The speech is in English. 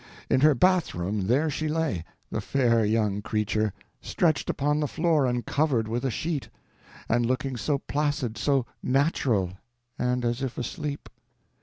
In her bathroom there she lay, the fair young creature, stretched upon the floor and covered with a sheet. And looking so placid, so natural, and as if asleep.